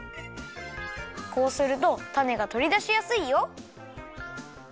こうするとたねがとりだしやすいよ。